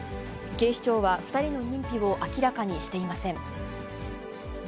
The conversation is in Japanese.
警視庁は２人の認否を明らかにしていません。